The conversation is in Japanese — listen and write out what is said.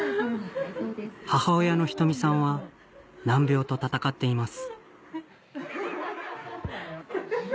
母親の仁美さんは難病と闘っています